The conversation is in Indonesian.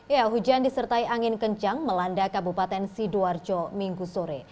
ya hujan disertai angin kencang melanda kabupaten sidoarjo minggu sore